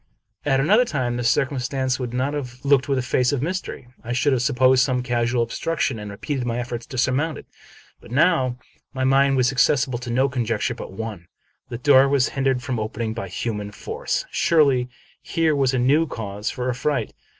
At another time, this circumstance would not have looked with a face of mystery, I should have supposed some casual obstruction and repeated my efforts to surmount it. But now my mind was accessible to no conjecture but one. The door was hindered from opening by human force. Surely, here was a new cause for affright.